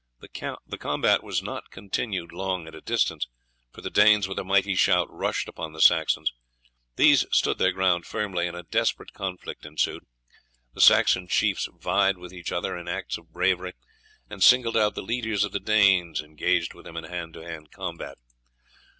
The combat was not continued long at a distance, for the Danes with a mighty shout rushed upon the Saxons. These stood their ground firmly and a desperate conflict ensued. The Saxon chiefs vied with each other in acts of bravery, and singling out the leaders of the Danes engaged with them in hand to hand conflict.